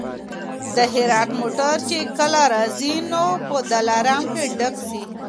د هرات موټر چي کله راځي نو په دلارام کي ډک سي.